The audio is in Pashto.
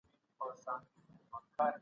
که سوله ېيزه لاره نه وي سياست تاوتريخوالی دی.